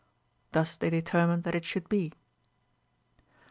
Thus they determined that it should be.